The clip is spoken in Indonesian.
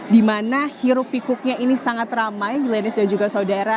di mana hirup pikuknya ini sangat ramai hilinis dan juga saudara